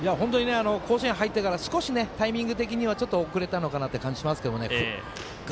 甲子園入ってからすこしタイミング的には少し遅れてるかなという感じがしてましたが